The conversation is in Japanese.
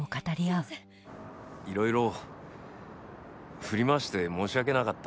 いろいろ振り回して申し訳なかった。